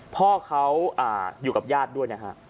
พ่อเขาอยู่กับญาติด้วยนะฮะ